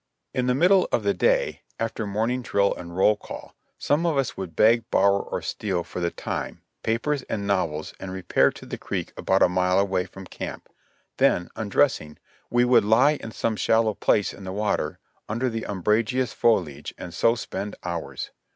II l62 JOHNNY REB AND BILI.Y YANK In the middle of the day, after morning drill and roll call, some of us would beg, borrow or steal for the time, papers and novels and repair to the creek about a mile away from camp, then, un dressing, we would lie in some shallow place in the water under the umbrageous foliage and so spend hours.